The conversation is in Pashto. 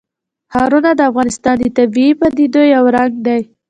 ښارونه د افغانستان د طبیعي پدیدو یو رنګ دی.